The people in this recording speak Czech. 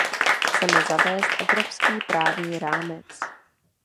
Chceme zavést evropský právní rámec.